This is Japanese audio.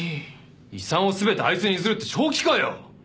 遺産を全てあいつに譲るって正気かよ？